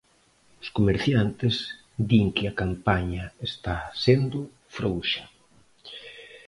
Os comerciantes din que a campaña está sendo frouxa.